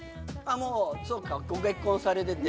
もうそうかご結婚されてて。